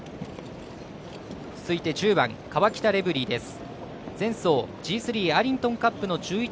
続いて、１０番カワキタレブリーです。